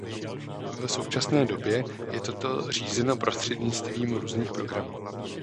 V současné době je toto řízeno prostřednictvím různých programů.